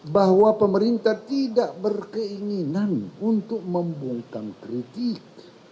bahwa pemerintah tidak berkeinginan untuk membungkam kritik